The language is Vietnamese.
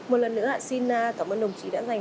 một lần nữa xin cảm ơn đồng chí đã dành